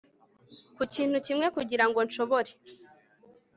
ku kintu kimwe kugira ngo nshobore